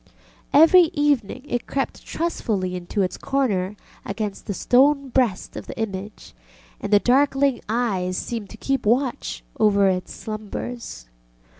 Every evening it crept trustfully into its corner against the stone breast of the image, and the darkling eyes seemed to keep watch over its slumbers.